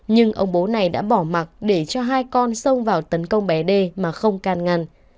nhưng ông bố này đã bỏ mặt để cho hai con sông vào tấn công bé đê mà không can ngăn